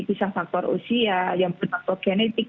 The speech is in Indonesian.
bisa faktor usia yang bernafas genetik